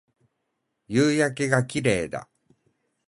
夕焼けが綺麗だ